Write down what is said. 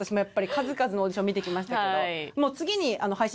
数々のオーディション見てきましたけど。